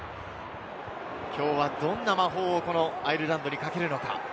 きょうはどんな魔法をアイルランドにかけるのか？